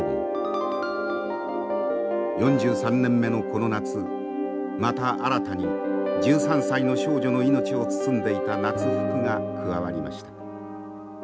４３年目のこの夏また新たに１３歳の少女の命を包んでいた夏服が加わりました。